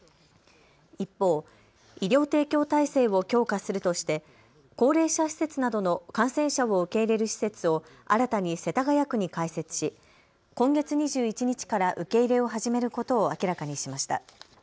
一方、医療提供体制を強化するとして高齢者施設などの感染者を受け入れる施設を新たに世田谷区に開設し今月２１日から受け入れを始めることを明らかにしました。